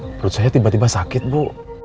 perut saya tiba tiba sakit bu